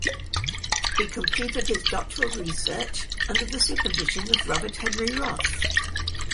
He completed his doctoral research under the supervision of Robert Henry Roth.